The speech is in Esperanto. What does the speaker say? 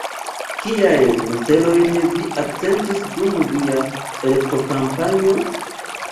Kiajn celojn vi akcentis dum via elektokampanjo?